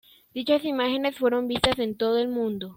Dichas imágenes fueron vistas en todo el mundo.